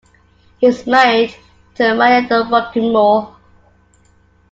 He is married to Maya Rockeymoore.